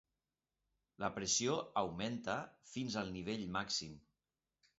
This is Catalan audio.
La pressió augmenta fins al nivell màxim.